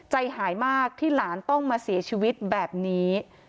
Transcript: ใจหายมากที่หลานต้องมาเสียชีวิตแบบนี้